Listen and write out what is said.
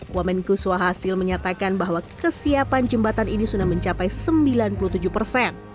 wamen kuswa hasil menyatakan bahwa kesiapan jembatan ini sudah mencapai sembilan puluh tujuh persen